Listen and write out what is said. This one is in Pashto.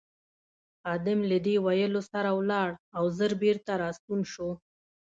خادم له دې ویلو سره ولاړ او ژر بېرته راستون شو.